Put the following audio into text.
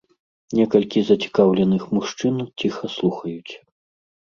Некалькі зацікаўленых мужчын ціха слухаюць.